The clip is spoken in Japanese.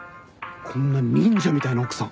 こんな忍者みたいな奥さん。